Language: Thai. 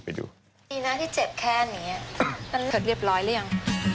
ดีนะที่เจ็บแค่นี้เสร็จเรียบร้อยหรือยัง